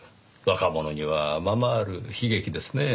若者にはままある悲劇ですねぇ。